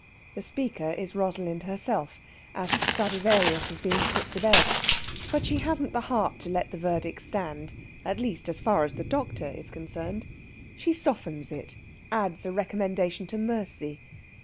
The speaker is Rosalind herself, as the Stradivarius is being put to bed. But she hasn't the heart to let the verdict stand at least, as far as the doctor is concerned. She softens it, adds a recommendation to mercy.